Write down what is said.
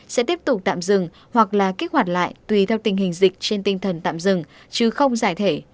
sẽ tiếp tục tạm dừng hoặc là kích hoạt lại tùy theo tình hình dịch trên tinh thần tạm dừng chứ không giải thể